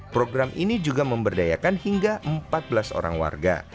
program ini juga memberdayakan hingga empat belas orang warga